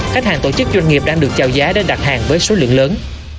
khách hàng tổ chức doanh nghiệp đang được trao giá đến đặt hàng với số lượng lớn